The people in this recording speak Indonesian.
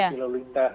keputusan lalu lintas